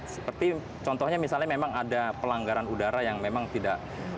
seperti contohnya misalnya memang ada pelanggaran udara yang memang tidak